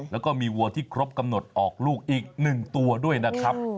แล้วก็มีวัวที่ครบกำหนดออกลูกอีก๑ตัวด้วยนะครับ